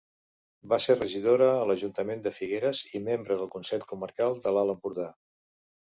Va ser regidora a l'Ajuntament de Figueres i membre del Consell Comarcal de l'Alt Empordà.